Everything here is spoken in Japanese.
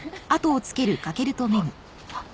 あっ。